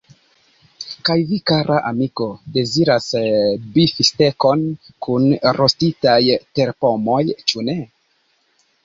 Kaj vi, kara amiko, deziras bifstekon kun rostitaj terpomoj, ĉu ne?